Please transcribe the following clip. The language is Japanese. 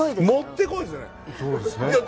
もってこいですね。